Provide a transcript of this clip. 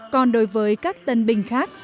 còn đối với các tân binh khác